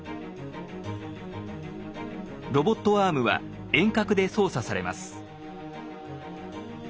ロボットアームは遠隔で操作されます。